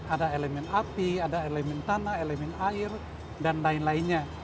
ada elemen api ada elemen tanah elemen air dan lain lainnya